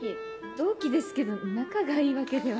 同期ですけど仲がいいわけでは。